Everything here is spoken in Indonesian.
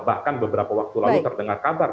bahkan beberapa waktu lalu terdengar kabar